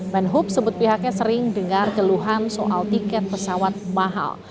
menhub sebut pihaknya sering dengar keluhan soal tiket pesawat mahal